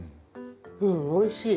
うんおいしい。